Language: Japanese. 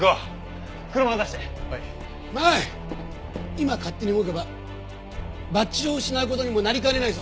今勝手に動けばバッジを失う事にもなりかねないぞ。